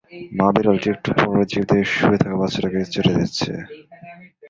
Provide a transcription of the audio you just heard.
মা-বিড়ালটি একটু পরপর জিভ দিয়ে শুয়ে থাকা বাচ্চাটাকে চেটে দিচ্ছে।